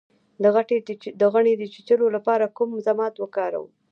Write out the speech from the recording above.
د غڼې د چیچلو لپاره کوم ضماد وکاروم؟